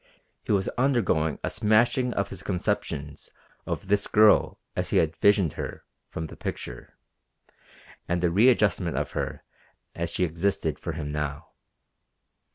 He was undergoing a smashing of his conceptions of this girl as he had visioned her from the picture, and a readjustment of her as she existed for him now.